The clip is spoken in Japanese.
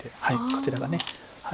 こちらが。